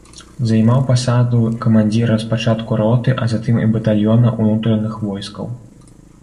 Займаў пасаду камандзіра спачатку роты, а затым і батальёна ўнутраных войскаў.